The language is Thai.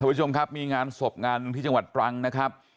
สวัสดีคุณผู้ชมครับมีงานศพงานที่จังหวัดปรังนะครับ